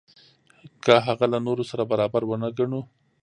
که هغه له نورو سره برابر ونه ګڼو.